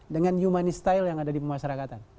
dengan humanist style yang ada di pemasarakatan